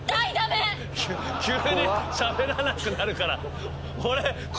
急にしゃべらなくなるから。